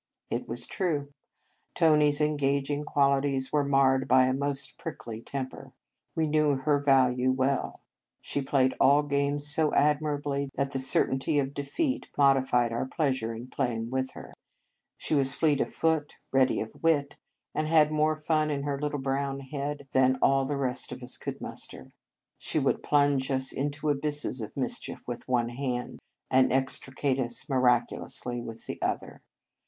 It was true. Tony s engaging quali ties were marred by a most prickly temper. We knew her value well. She played all games so admirably that the certainty of defeat modified our pleasure in playing with her. She 93 In Our Convent Days was fleet of foot, ready of wit, and had more fun in her little brown head than all the rest of us could muster. She would plunge us into abysses of mischief with one hand, and extricate us miraculously with the other.